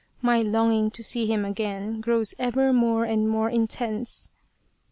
My long ing to see him again grows ever more and more intense."